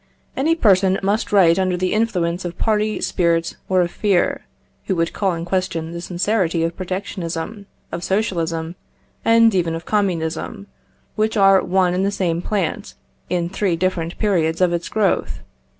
Any person must write under the influence of party spirit or of fear, who would call in question the sincerity of protectionism, of socialism, and even of communism, which are one and the same plant, in three different periods of its growth.